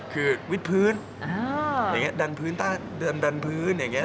คือวิทย์พื้นดันพื้นต้านดันพื้นอย่างนี้